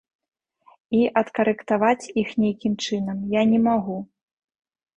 І адкарэктаваць іх нейкім чынам я не магу.